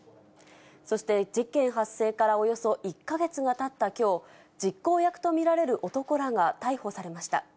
そして事件発生からおよそ１か月がたったきょう、実行役と見られる男らが逮捕されました。